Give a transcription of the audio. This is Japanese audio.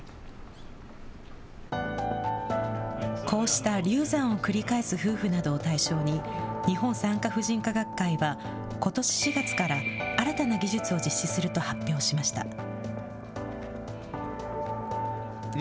こうした流産を繰り返す夫婦などを対象に、日本産科婦人科学会は、ことし４月から新たな技術を実施すると発表しました。